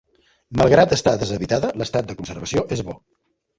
Malgrat estar deshabitada, l'estat de conservació és bo.